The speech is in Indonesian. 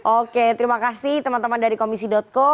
oke terima kasih teman teman dari komisi co